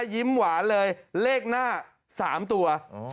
ยิ้มหวานเลยเลขหน้า๓ตัว